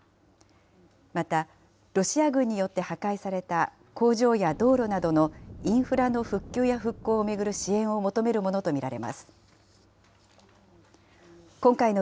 また、ロシア軍によって破壊された工場や道路などのインフラの復旧や復興を巡る支援を求めるものと見られます。